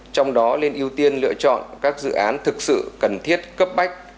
trong đó nên ưu tiên lựa chọn các dự án thực sự cần thiết cấp bách